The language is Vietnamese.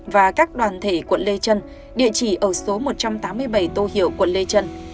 và các đoàn thể quận lê trân địa chỉ ở số một trăm tám mươi bảy tô hiệu quận lê trân